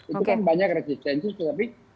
itu kan banyak resistensi tetapi